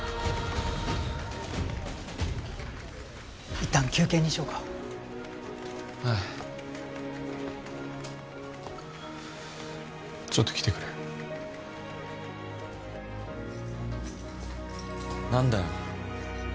一旦休憩にしようかはいちょっと来てくれ何だよ